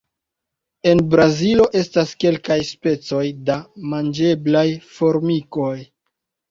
En Brazilo estas kelkaj specoj de manĝeblaj formikoj.